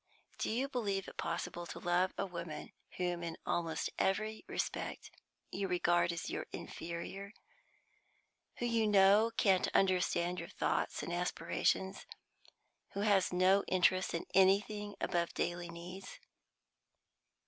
Do you believe it possible to love a woman whom in almost every respect you regard as your inferior, who you know can't understand your thoughts and aspirations, who has no interest in anything above daily needs?"